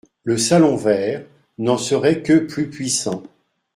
Le salon vert n'en serait que plus puissant.